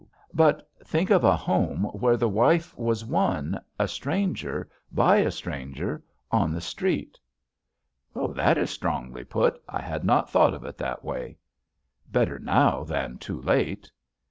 But think of a home where the wife was won, a stranger, by a stranger, on the street." "That is strongly put. I had not thought of it that way." "Better now than too late."